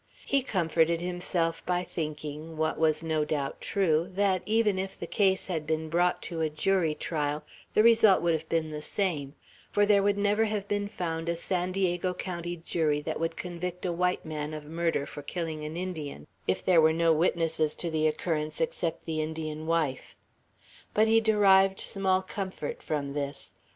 He comforted himself by thinking what was no doubt true that even if the case had been brought to a jury trial, the result would have been the same; for there would never have been found a San Diego County jury that would convict a white man of murder for killing an Indian, if there were no witnesses to the occurrence except the Indian wife. But he derived small comfort from this.